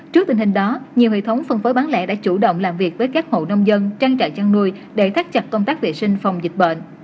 trước tình hình đó nhiều hệ thống phân phối bán lẻ đã chủ động làm việc với các hộ nông dân trang trại chăn nuôi để thắt chặt công tác vệ sinh phòng dịch bệnh